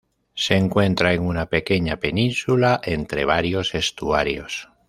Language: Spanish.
Se encuentra en una pequeña península entre varios estuarios.